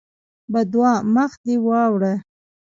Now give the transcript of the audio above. بدعا: مخ دې واوړه!